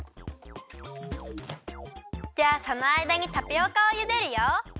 じゃあそのあいだにタピオカをゆでるよ。